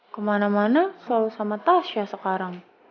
kemana mana selalu sama tasya sekarang